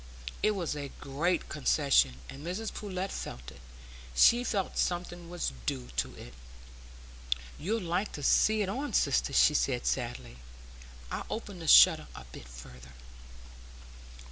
It was a great concession, and Mrs Pullet felt it; she felt something was due to it. "You'd like to see it on, sister?" she said sadly. "I'll open the shutter a bit further."